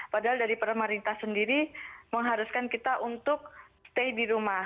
padahal dari pemerintah sendiri mengharuskan kita untuk stay di rumah